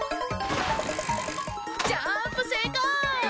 ジャンプせいこう！